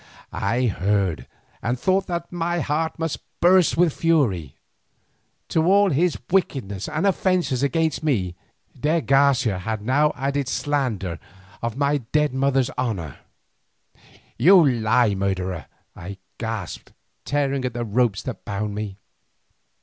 I heard and thought that my heart must burst with fury. To all his wickedness and offences against me, de Garcia now had added slander of my dead mother's honour. "You lie, murderer," I gasped, tearing at the ropes that bound me.